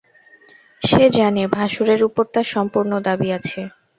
সে জানে ভাশুরের উপর তার সম্পূর্ণ দাবি আছে।